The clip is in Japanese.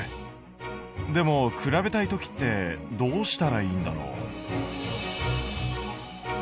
でも比べたい時ってどうしたらいいんだろう。